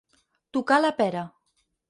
Tocar la pera.